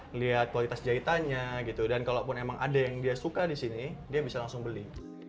melihat kualitas jahitannya gitu dan kalaupun emang ada yang dia suka di sini dia bisa langsung beli